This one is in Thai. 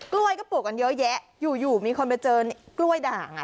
กล้วยก็ปลูกกันเยอะแยะอยู่มีคนไปเจอกล้วยด่าง